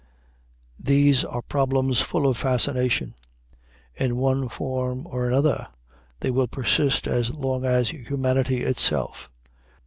These are problems full of fascination. In one form or another they will persist as long as humanity itself.